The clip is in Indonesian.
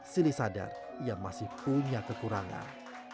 sili sadar ia masih punya kekurangan